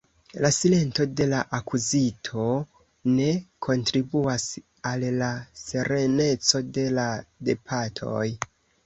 La silento de la akuzito ne kontribuas al la sereneco de la debatoj.